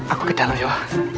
aku ke dalam ya